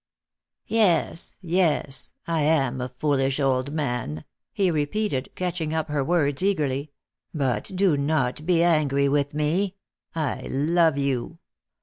"Yes, yes; I am a foolish old man," he repeated, catching up her words eagerly; "but do not be angry with me. I love you.